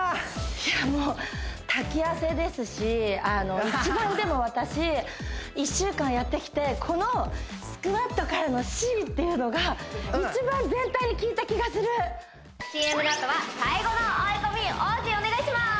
いやもう滝汗ですし一番でも私１週間やってきてこのスクワットからのＣっていうのが一番全体に効いた気がするＣＭのあとは最後の追い込み王子お願いします